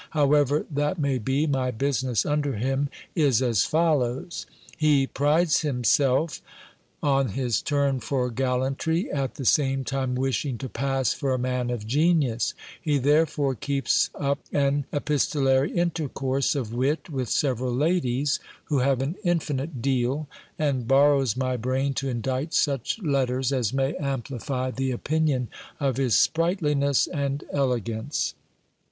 However that may be, my business under him is as follows. He prides himself on his turn for gallantry, at the same time wishing to pass for a man of genius : he therefore keeps up an epis 412 GIL BLAS. tolary intercourse of wit with several ladies who have an infinite deal, and borrows my brain to indite such letters as may amplify the opinion of his sprightliness and elegance.